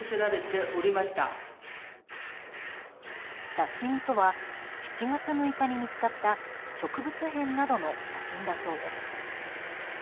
写真とは７月６日に見つかった植物片などの写真だそうです。